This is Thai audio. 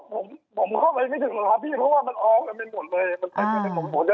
ผมเข้าไปไม่ถึงถามพี่เพราะว่ามันออกไปหมดเลย